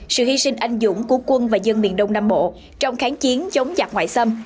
sự hy sinh anh dũng của quân và dân miền đông nam bộ trong kháng chiến chống giặc ngoại xâm